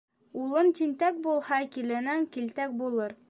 Улын тинтәк булһа, киленең килтәк булыр.